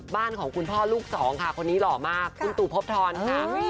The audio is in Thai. บ้านของคุณพ่อลูกสองค่ะคนนี้หล่อมากคุณตู่พบทรค่ะ